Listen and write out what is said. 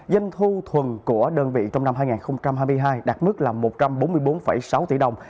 doanh thu thuần của đơn vị trong năm hai nghìn hai mươi hai đạt mức là một trăm bốn mươi bốn sáu tỷ đồng